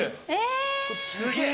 すげえ。